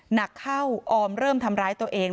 หนักเข้าออมเริ่มทำร้ายตัวเอง